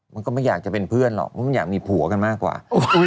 มันก็ไม่อยากจะเป็นเพื่อนหรอกเพราะมันอยากมีผัวกันมากกว่า